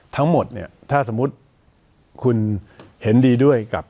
ทั้งหมดเนี่ยถ้าสมมุติคุณเห็นดีด้วยกับ